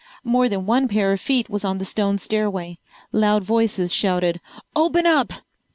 More than one pair of feet was on the stone stairway. Loud voices shouted, "Open up!"